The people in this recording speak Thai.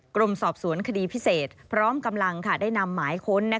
กรมสอบสวนคดีพิเศษพร้อมกำลังได้นำหมายค้น